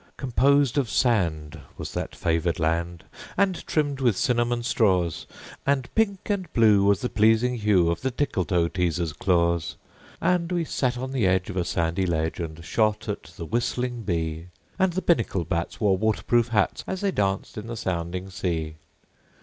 Composed of sand was that favored land, And trimmed with cinnamon straws; And pink and blue was the pleasing hue Of the Tickletoeteaser's claws. And we sat on the edge of a sandy ledge And shot at the whistling bee; And the Binnacle bats wore water proof hats As they danced in the sounding sea.